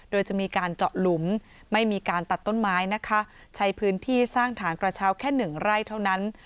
โดยจะมีการเจาะหลุมไม่มีการตัดต้นไม้นะคะใช้พื้นที่สร้างฐานกระเช้าแค่หนึ่งไร่เท่านั้น